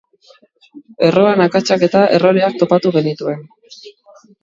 Erroan akatsak eta erroreak topatu genituen.